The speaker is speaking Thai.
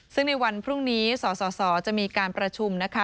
ซึ่งในวันพรุ่งนี้สสจะมีการประชุมนะคะ